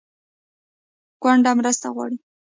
کونډه مرسته غواړي